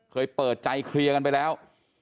เคยเปิดใจเคลียร์กันไปแล้ว